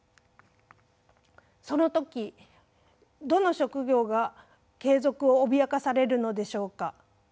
その時どの職業が継続を脅かされるのでしょうか？